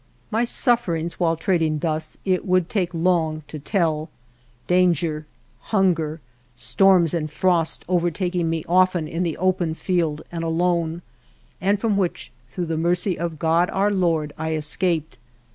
My sufferings, while trading thus, it 75 THE JOURNEY OF would take long to tell; danger, hunger, storms and frost overtaking me often in the open field and alone, and from which through the mercy of God, Our Lord, I escaped.